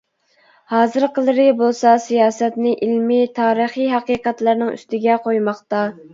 ھازىرقىلىرى بولسا، سىياسەتنى ئىلمى، تارىخى ھەقىقەتلەرنىڭ ئۈستىگە قويماقتا.